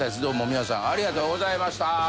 どうも皆さんありがとうございました。